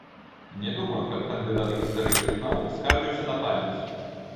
Не думаю, каб кандыдат гістарычных навук скардзіўся на памяць.